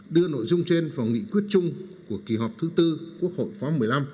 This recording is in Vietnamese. đưa nội dung trên vào nghị quyết chung của kỳ họp thứ tư quốc hội khóa một mươi năm